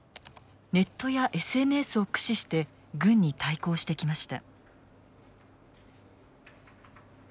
ネットやＳＮＳを駆使して軍に対抗してきました。